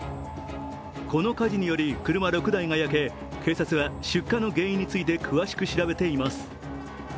この火事により、車６台が焼け警察は出火の原因について詳しく調べています。